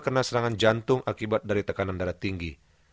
karena serangan jantung akibat dari tekanan darah tinggi